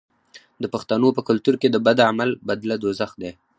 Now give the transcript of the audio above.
د پښتنو په کلتور کې د بد عمل بدله دوزخ دی.